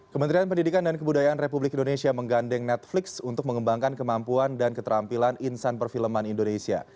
kementerian pendidikan dan kebudayaan republik indonesia menggandeng netflix untuk mengembangkan kemampuan dan keterampilan insan perfilman indonesia